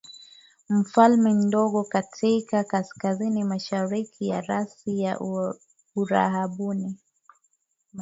falme ndogo katika kaskazinimashariki ya Rasi ya Uarabuni